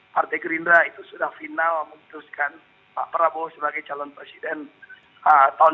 partai gerindra itu sudah final memutuskan pak prabowo sebagai calon presiden tahun dua ribu dua puluh